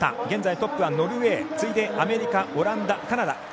現在トップはノルウェー次いでアメリカ、オランダ、カナダ。